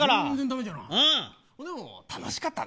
でも楽しかったね。